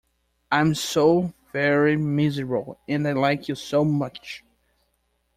I am so very miserable, and I like you so much!